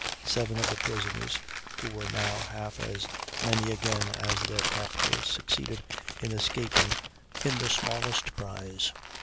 Seven of the prisoners (who were now half as many again as their captors) succeeded in escaping in the smallest prize.